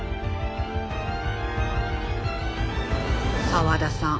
沢田さん